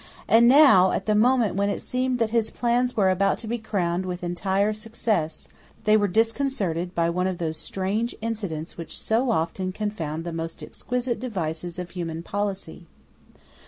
And now, at the moment when it seemed that his plans were about to be crowned with entire success, they were disconcerted by one of those strange incidents which so often confound the most exquisite devices of human policy.